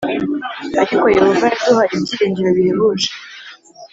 Ariko Yehova yaduhaye ibyiringiro bihebuje